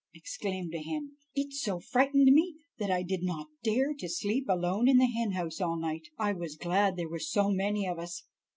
exclaimed a hen; "it so frightened me that I did not dare to sleep alone in the hen house all night. I was glad there were so many of us."